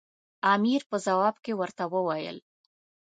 امیر په ځواب کې ورته وویل.